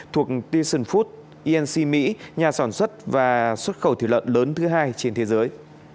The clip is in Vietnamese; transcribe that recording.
thuộc thyssenfood inc mỹ nhà sản xuất và xuất khẩu thiệt lợn lớn thứ hai trên thế giới